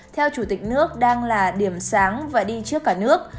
theo chủ tịch nước đang là điểm sáng và đi trước cả nước